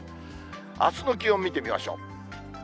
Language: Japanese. あすの気温見てみましょう。